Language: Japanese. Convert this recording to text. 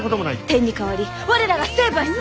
「天に代わり我らが成敗する！」。